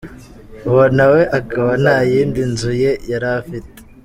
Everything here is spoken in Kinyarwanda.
Uwo nawe akaba nta yindi nzu ye yari afite.